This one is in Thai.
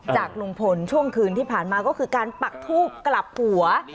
จากลุงพลช่วงคืนที่ผ่านมาก็คือการปักทูบกลับหัว